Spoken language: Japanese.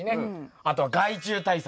あとは害虫対策。